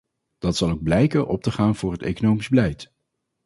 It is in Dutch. Dat zal ook blijken op te gaan voor het economisch beleid.